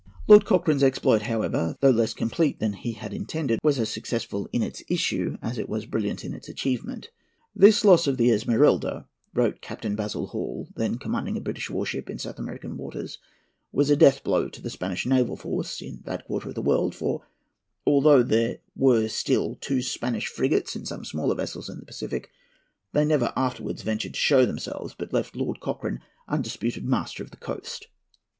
Lord Cochrane's exploit, however, though less complete than he had intended, was as successful in its issue as it was brilliant in its achievement. "This loss of the Esmeralda," wrote Captain Basil Hall, then commanding a British war ship in South American waters, "was a death blow to the Spanish naval force in that quarter of the world; for, although there were still two Spanish frigates and some smaller vessels in the Pacific, they never afterwards ventured to show themselves, but left Lord Cochrane undisputed master of the coast."